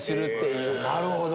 なるほど。